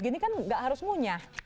gini kan gak harus munyah